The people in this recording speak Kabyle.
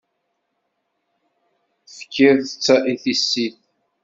Tefkid-tt i tissit.